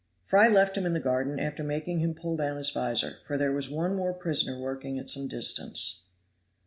Fry left him in the garden after making him pull down his vizor, for there was one more prisoner working at some distance.